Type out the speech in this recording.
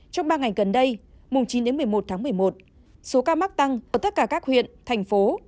trong ba ngày gần đây số ca mắc tăng ở tất cả các huyện thành phố